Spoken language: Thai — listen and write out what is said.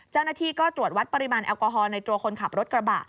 เจ้าหน้าที่ก็ตรวจวัดปริมาณแอลกอฮอลในตัวคนขับรถกระบะ